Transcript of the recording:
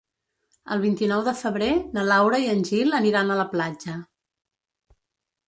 El vint-i-nou de febrer na Laura i en Gil aniran a la platja.